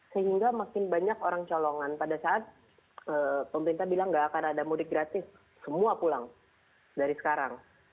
sehingga makin banyak orang colongan pada saat pemerintah bilang nggak akan ada mudik gratis semua pulang dari sekarang